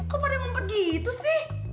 kok pada mumpet gitu sih